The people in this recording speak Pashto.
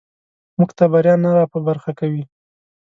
موږ ته بریا نه راپه برخه کوي.